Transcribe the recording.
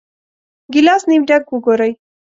ګیلاس نیم ډک وګورئ.